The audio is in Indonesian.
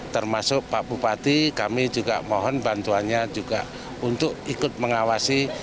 termasuk pak bupati kami juga mohon bantuannya juga untuk ikut mengawasi